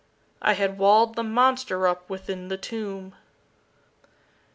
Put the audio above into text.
I had walled the monster up within the tomb.